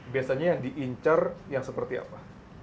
biasanya yang diincar yang seperti apa